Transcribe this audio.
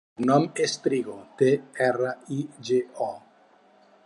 El cognom és Trigo: te, erra, i, ge, o.